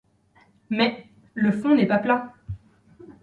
Mais, le fond n'est pas plat.